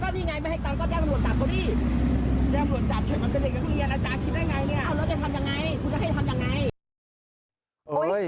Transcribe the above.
คุณจะให้ทำยังไง